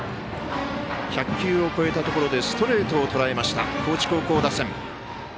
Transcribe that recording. １００球を超えたところでストレートをとらえました高知高校打線。